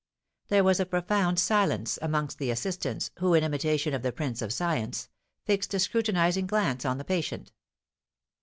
There was a profound silence amongst the assistants, who, in imitation of the prince of science, fixed a scrutinising glance on the patient.